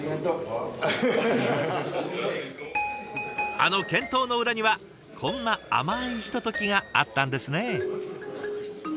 あの健闘の裏にはこんな甘いひとときがあったんですね。